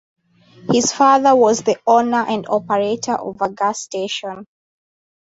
His father was the owner and operator of a gas station.